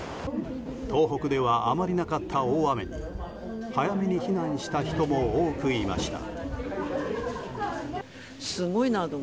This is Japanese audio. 東北ではあまりなかった大雨に早めに避難した人も多くいました。